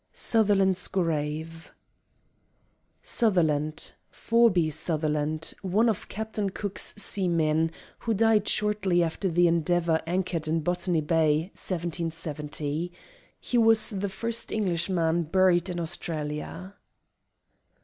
Sutherland's Grave * Sutherland: Forby Sutherland, one of Captain Cook's seamen, who died shortly after the Endeavour anchored in Botany Bay, 1770. He was the first Englishman buried in Australia.